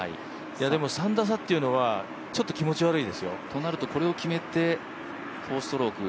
でも、３打差というのはちょっと気持ち悪いですよ。となるとこれを決めて４ストローク。